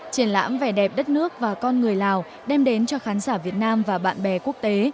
triển lãm vẻ đẹp đất nước và con người lào đem đến cho khán giả việt nam và bạn bè quốc tế